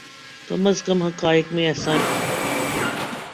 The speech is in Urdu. کم از کم حقائق میں ایسا نہیں ہوتا۔